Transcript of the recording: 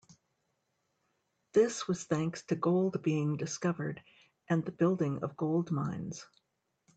This was thanks to gold being discovered and the building of gold mines.